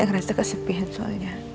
yang rasa kesepian soalnya